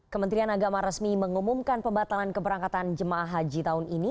kementerian agama resmi mengumumkan pembatalan keberangkatan jemaah haji tahun ini